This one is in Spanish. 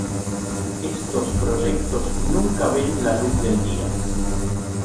Estos proyectos nunca ven la luz del día.